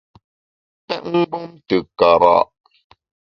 Pèt mgbom te kara’ !